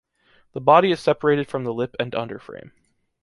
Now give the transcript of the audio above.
The body is separated from the lip and underframe.